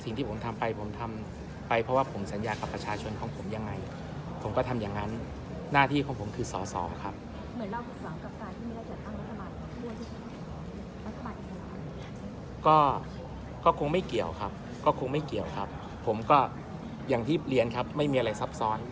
นาฬิที่คุณคุณคุณคุณคุณคอมธ์กับการที่เกี่ยวครับก็คงไม่เกี่ยวครับก็คงไม่เกี่ยวครับผมก็อย่างที่เรียนครับไม่มีอะไรซับซ้อน